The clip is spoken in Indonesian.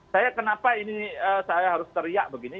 saya kenapa ini saya harus teriak begini